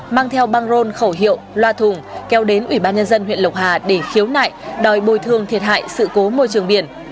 mang theo băng rôn khẩu hiệu loa thùng kéo đến ủy ban nhân dân huyện lộc hà để khiếu nại đòi bồi thương thiệt hại sự cố môi trường biển